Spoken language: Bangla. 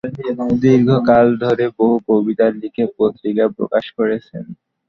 দীর্ঘ কাল ধরে বহু কবিতা লিখে পত্রিকায় প্রকাশ করেছেন।